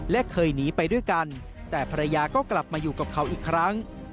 และเคยหนีไปด้วยกันแต่ภรรยาก็กลับมาอยู่กับเขาอีกครั้ง